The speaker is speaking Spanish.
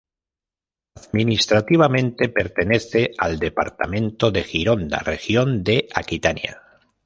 Administrativamente, pertenece al departamento de Gironda, región de Aquitania.